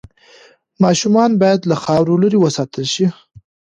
ماشومان باید له خاورو لرې وساتل شي۔